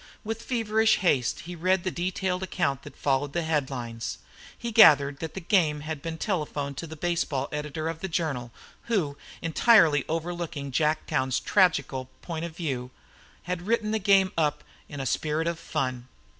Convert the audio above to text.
With feverish haste he read the detailed account that followed the headlines. He gathered that the game had been telephoned to the baseball editor of the journal, who, entirely overlooking Jacktown's tragical point of view, had written the game up in a spirit of fun.